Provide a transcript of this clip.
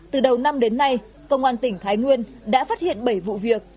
từ đầu năm đến nay công an tỉnh thái nguyên đã phát hiện bảy vụ việc